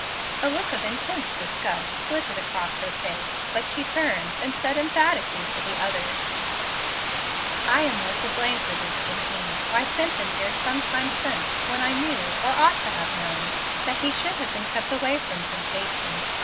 A look of intense disgust flitted across her face, but she turned, and said emphatically to the others: "I am more to blame for this than he. I sent him here some time since, when I knew, or ought to have known, that he should have been kept away from temptation.